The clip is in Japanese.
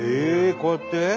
こうやって。